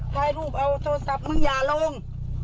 ถ่ายรูปเอาโทรศัพท์มึงอย่าลง